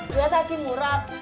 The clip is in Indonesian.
buat haji murad